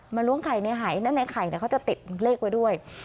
ล้วงไข่ในหายและในไข่เขาจะติดเลขไว้ด้วย